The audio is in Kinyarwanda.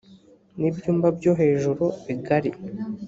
n ibyumba byo hejuru bigari